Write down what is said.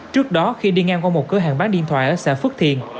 trước đó khi đi ngang qua một cửa hàng bán điện thoại ở xã phước thiền